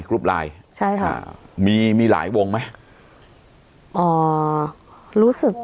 กรุ๊ปไลน์ใช่ค่ะมีมีหลายวงไหมอ๋อรู้สึก